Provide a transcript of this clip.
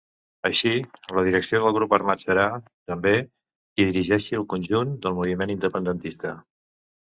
Així, la direcció del grup armat serà, també, qui dirigeixi el conjunt del moviment independentista.